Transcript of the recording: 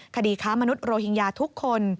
คดีค้ามนุษยโรฮิงญาทุกคน